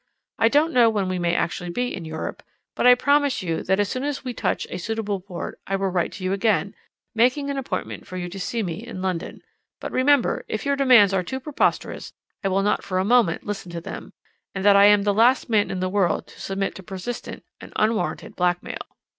I don't know when we may actually be in Europe, but I promise you that as soon as we touch a suitable port I will write to you again, making an appointment for you to see me in London. But remember that if your demands are too preposterous I will not for a moment listen to them, and that I am the last man in the world to submit to persistent and unwarrantable blackmail.